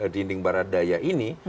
dinding barat daya ini